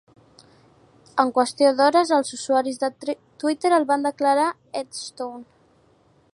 En qüestió d'hores, els usuaris de Twitter el van declarar "EdStone".